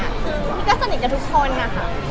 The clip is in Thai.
คือพี่ก็สนิทกับทุกคนนะคะ